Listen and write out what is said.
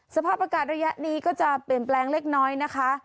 สภาพอากาศระยะนี้ก็จะเปลี่ยนแปลงเล็กน้อยนะคะ